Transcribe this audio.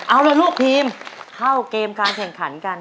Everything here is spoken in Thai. เอาละลูกทีมเข้าเกมการแข่งขันกัน